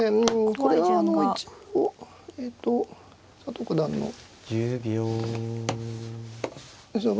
これは一応えっと佐藤九段の。１０秒。